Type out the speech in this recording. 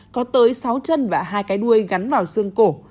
có tới sáu chân và hai cái đuôi gắn vào xương cổ